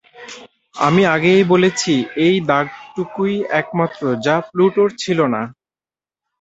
আমি আগেই বলেছি এই দাগটুকুই একমাত্র যা প্লুটোর ছিল না।